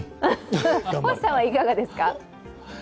星さんはいかがですか？